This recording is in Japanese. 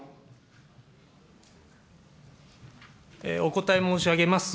お答え申し上げます。